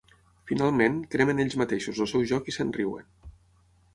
Finalment, cremen ells mateixos el seu joc i se'n riuen.